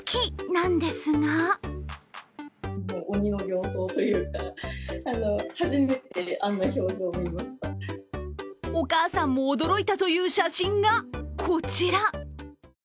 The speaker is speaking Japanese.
なんですがお母さんも驚いたという写真がこちら。